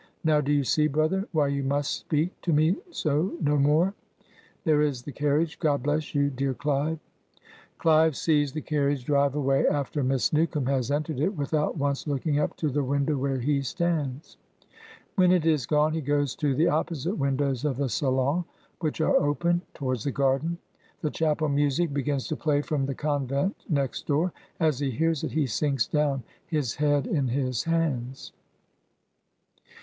Now do you see, brother, why you must speak to me so no more? There is the carriage. God bless you, dear CUve/ " (CUve sees the carriage drive away after Miss New come has entered it without once looking up to the win dow where he stands. When it is gone he goes to the opposite windows of the salon, which are open, towards the garden. The chapel music begins to play from the convent, next door. As he hears it he sinks down, his head in his hands.)